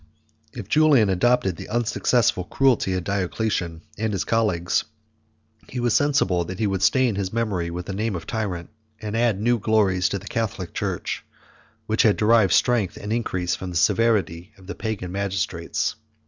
If Julian adopted the unsuccessful cruelty of Diocletian and his colleagues, he was sensible that he should stain his memory with the name of a tyrant, and add new glories to the Catholic church, which had derived strength and increase from the severity of the pagan magistrates.